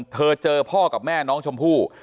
เจอพ่อกับแม่น้องชมพู่